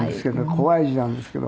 怖い字なんですけど。